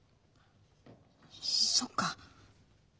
そっか。